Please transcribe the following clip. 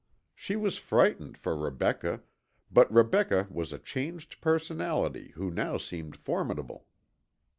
She was frightened for Rebecca, but Rebecca was a changed personality who now seemed formidable.